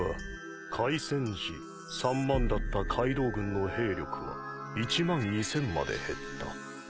開戦時３万だったカイドウ軍の兵力は１万２，０００まで減った。